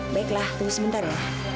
baiklah tunggu sebentar ya